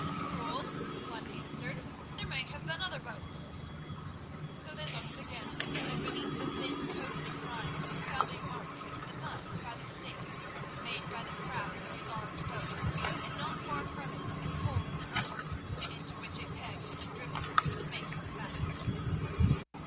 "Fool!" one answered, "there may have been other boats." So they looked again, and beneath the thin coating of rime, found a mark in the mud by the Staithe, made by the prow of a large boat, and not far from it a hole in the earth into which a peg had been driven to make her fast.